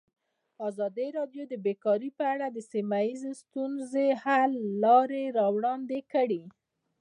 ازادي راډیو د بیکاري په اړه د سیمه ییزو ستونزو حل لارې راوړاندې کړې.